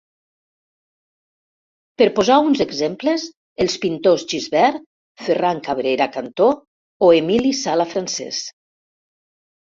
Per posar uns exemples els pintors Gisbert, Ferran Cabrera Cantó o Emili Sala Francés.